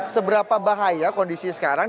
seberapa bahaya kondisi sekarang